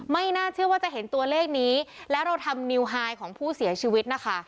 ไม่น่าเชื่อว่าจะเห็นตัวเลขนี้แล้วเราทำนิวไฮของผู้เสียชีวิตนะคะ